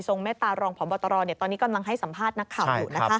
เมตตารองพบตรตอนนี้กำลังให้สัมภาษณ์นักข่าวอยู่